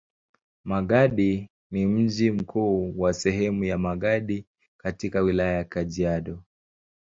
Magadi ni mji mkuu wa sehemu ya Magadi katika Wilaya ya Kajiado.